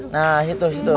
nah situ situ